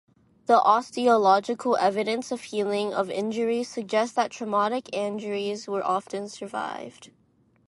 The osteological evidence of healing of injuries suggest that traumatic injuries were often survived.